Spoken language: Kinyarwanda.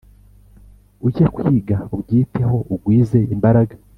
Ujye kwiga ubyiteho ugwize imbaraga